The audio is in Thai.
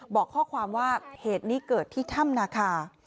บอกข้อความว่าเหตุนี้เกิดที่ถ้ำนาคา